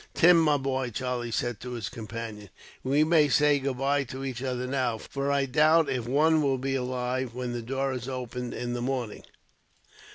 "Tim, my boy," Charlie said to his companion, "we may say goodbye to each other now, for I doubt if one will be alive, when the door is opened in the morning."